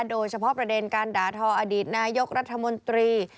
โดยเฉพาะประเด็นการด่าทออดีตนายกรัฐมนตรี